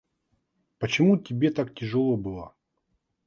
Почему тебе так тяжело было?